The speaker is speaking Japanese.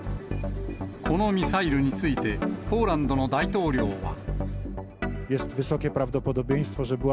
このミサイルについて、ポーランドの大統領は。